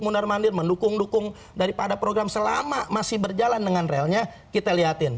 mundar mandir mendukung dukung daripada program selama masih berjalan dengan relnya kita lihatin